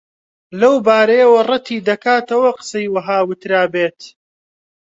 لەو بارەیەوە ڕەتی دەکاتەوە قسەی وەها وترابێت